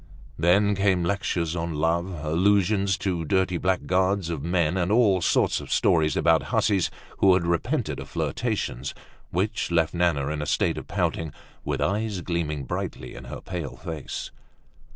Then came lectures on love, allusions to dirty blackguards of men, and all sorts of stories about hussies who had repented of flirtations, which left Nana in a state of pouting, with eyes gleaming brightly in her pale face.